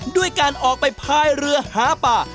ด้วยการออกไปพายเรือหาป่า